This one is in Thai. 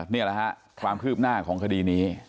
นี่แหละฮะความคืบหน้าของคดีนี้